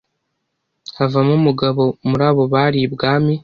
havamo umugabo muri abo bari ibwami